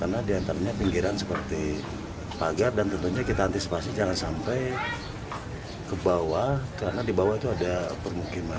jalan raya seger alam puncak cianjur